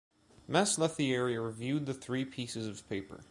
Mess Lethierry reviewed the three pieces of paper.